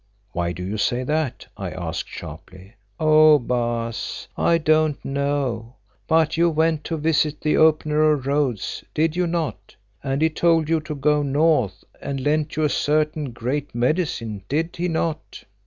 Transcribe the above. "Why do you say that?" I asked sharply. "Oh! Baas, I don't know, but you went to visit the Opener of Roads, did you not, and he told you to go north and lent you a certain Great Medicine, did he not?"